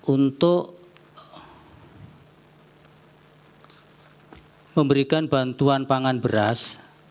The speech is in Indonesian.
untuk memberikan bantuan pangan beras